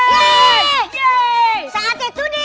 yeay saatnya tudir